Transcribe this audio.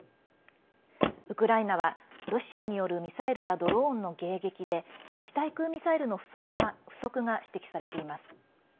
ウクライナは、ロシアによるミサイルやドローンの迎撃で地対空ミサイルの不足が指摘されています。